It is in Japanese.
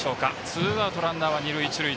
ツーアウトランナーは二塁一塁。